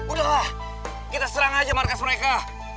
udah lah kita serang aja markas mereka